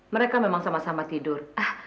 mereka memang sama sama tidur